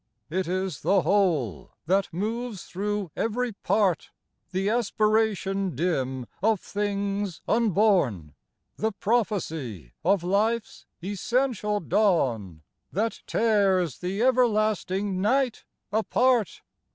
It is the whole that moves through every part, The aspiration dim of things unborn, The prophecy of life's essential dawn, That tears the everlasting night apart.